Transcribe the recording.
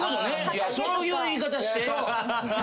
いやそういう言い方して。